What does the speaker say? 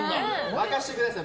任せてください。